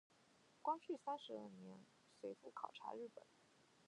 光绪三十二年随父考察日本。